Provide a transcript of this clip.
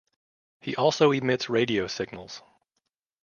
He also emits radio signals.